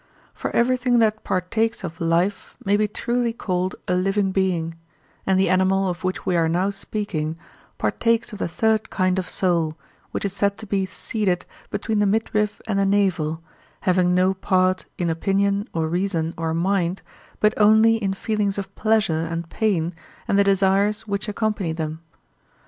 For everything that partakes of life may be truly called a living being, and the animal of which we are now speaking partakes of the third kind of soul, which is said to be seated between the midriff and the navel, having no part in opinion or reason or mind, but only in feelings of pleasure and pain and the desires which accompany them.